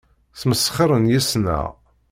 Smesxiren yes-neɣ.